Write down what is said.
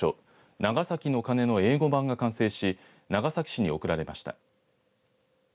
長崎の鐘の英語版が完成し長崎市に贈られました。